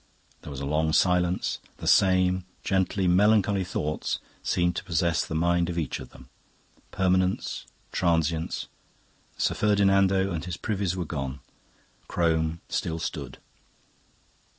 There was a long silence; the same gently melancholy thoughts seemed to possess the mind of each of them. Permanence, transience Sir Ferdinando and his privies were gone, Crome still stood.